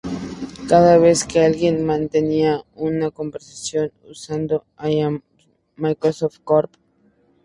Cada vez que alguien mantenía una conversación usando i'm, Microsoft Corp.